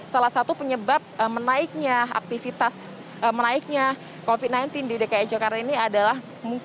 salah satu penyebab menaiknya aktivitas menaiknya covid sembilan belas di dki jakarta ini adalah